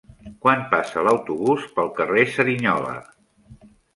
Quan passa l'autobús pel carrer Cerignola?